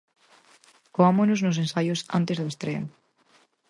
Coámonos nos ensaios antes da estrea...